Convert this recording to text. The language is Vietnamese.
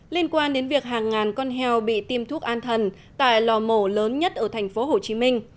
liên quan đến việc hàng ngàn con heo bị tiêm thuốc an thần tại lò mổ lớn nhất ở thành phố hồ chí minh